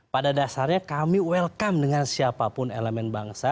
pada dasarnya kami welcome dengan siapapun elemen bangsa